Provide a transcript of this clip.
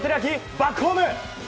バックホーム。